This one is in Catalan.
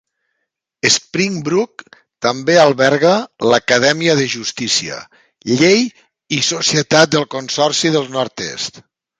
Springbrook també alberga l'Acadèmia de Justícia, Llei i Societat del Consorci del nord-est.